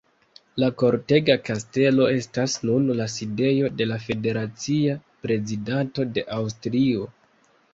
La Kortega Kastelo estas nun la sidejo de la federacia prezidento de Aŭstrio.